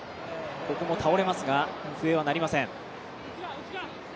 ここも倒れますが笛は鳴りません。